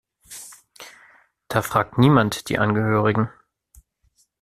Da fragt niemand die Angehörigen.